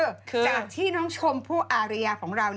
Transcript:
จากที่น้องชมผู้อาริยาของเรา